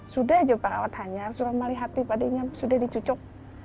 sudah aja perawat tanya sudah melihat tipe adanya sudah dicucuk